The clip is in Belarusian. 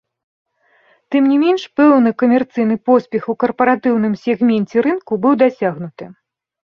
Тым не менш, пэўны камерцыйны поспех у карпаратыўным сегменце рынку быў дасягнуты.